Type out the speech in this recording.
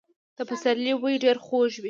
د پسرلي بوی ډېر خوږ وي.